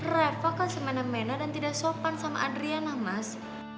revo kan semena mena dan tidak sopan sama adriana mas